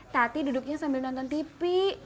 tati duduknya sambil nonton tv